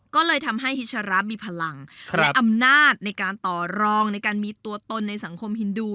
ก็เลยทำให้ฮิชระมีพลังและอำนาจในการต่อรองในการมีตัวตนในสังคมฮินดู